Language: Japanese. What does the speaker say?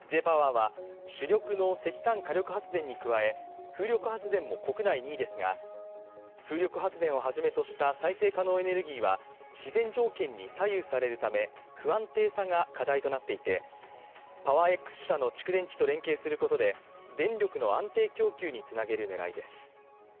Ｊ−ＰＯＷＥＲは主力の石炭火力発電に加え風力発電も国内２位ですが風力発電をはじめとした再生可能エネルギーは自然条件に左右されるため不安定さが課題となっていて、パワーエックス社の蓄電池と連携することで電力の安定供給につなげる狙いです。